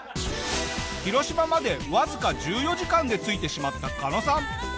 広島までわずか１４時間で着いてしまったカノさん。